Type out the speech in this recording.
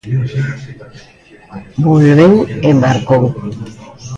Volveu e marcou.